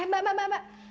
eh mbak mbak mbak